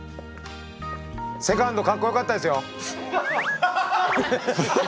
「セカンド」かっこよかったですよ。